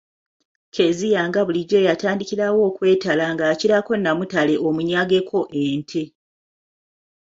Kezia nga bulijjo yatandikirawo okwetala ng'akirako nnamutale omunyageko ente.